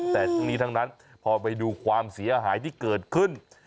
แต่ทั้งนี้ทั้งนั้นพอไปดูความเสียหายที่เกิดขึ้น